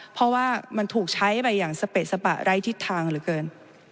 เพราะว่ามันถูกใช้ไปอย่างสเปะสปะไร้ทิศทางเหลือเกิน